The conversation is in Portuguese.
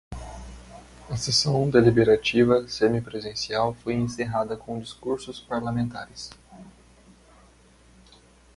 A sessão deliberativa semipresencial foi encerrada com discursos parlamentares